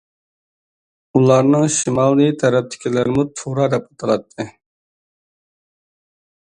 ئۇلارنىڭ شىمالىي تەرەپتىكىلەرمۇ تۇرا دەپ ئاتىلاتتى.